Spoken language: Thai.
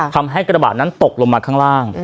ทำให้กระบะนั้นตกลงมาข้างล่าง